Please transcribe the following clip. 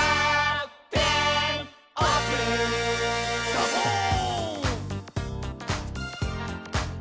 「サボーン！」